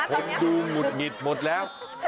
คนดูหงุดหงิดหมดแล้ว